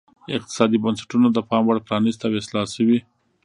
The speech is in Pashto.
اقتصادي بنسټونه د پاموړ پرانیست او اصلاح شوي.